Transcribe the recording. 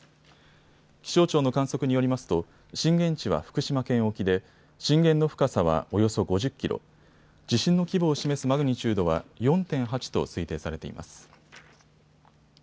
気象庁の観測によりますと震源地は福島県沖で震源の深さはおよそ５０キロ、地震の規模を示すマグニチュードは４．８と推定されています。